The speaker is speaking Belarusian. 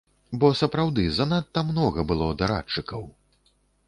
Бо сапраўды занадта многа было дарадчыкаў!